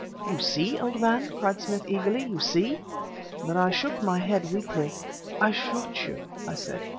"You see, old man?" cried Smith eagerly. "You see?" But I shook my head weakly. "I shot you," I said.